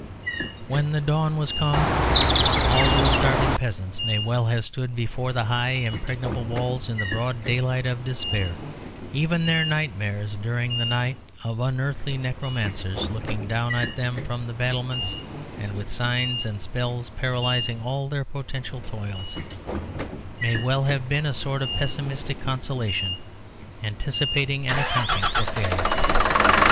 When dawn was come all those starving peasants may well have stood before the high impregnable walls in the broad daylight of despair. Even their nightmares during the night, of unearthly necromancers looking down at them from the battlements and with signs and spells paralysing all their potential toils, may well have been a sort of pessimistic consolation, anticipating and accounting for failure.